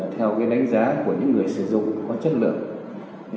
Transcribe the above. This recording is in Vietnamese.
theo đánh giá của những người sử dụng có chất lượng